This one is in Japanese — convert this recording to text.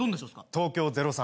東京０３。